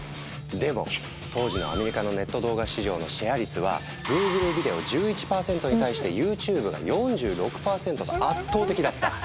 でも当時のアメリカのネット動画市場のシェア率はＧｏｏｇｌｅビデオ１１％に対してＹｏｕＴｕｂｅが４６％と圧倒的だった。